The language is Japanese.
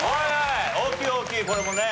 大きい大きいこれもね。